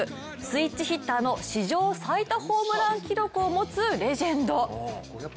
スイッチヒッターの史上最多ホームラン記録を持つレジェンド。